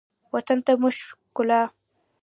وطن ته مو ښکلا